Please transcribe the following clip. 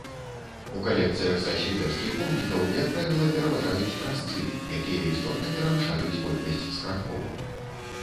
У калекцыях са свідэрскіх помнікаў, як правіла, пераважаюць разцы, якія істотна перавышаюць колькасць скрабкоў.